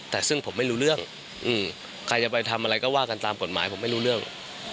แต่ซึ่งผมไม่รู้เรื่องใครจะไปทำอะไรก็ว่ากันตามกฎหมายผมไม่รู้เรื่อง